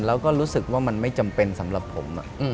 แล้วก็รู้สึกว่ามันไม่จำเป็นสำหรับผม